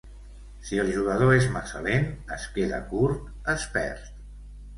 Si el jugador és massa lent, es queda curt, est perd.